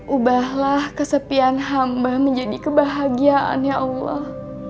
ubahlah kesepian hamba menjadi kebahagiaan ya allah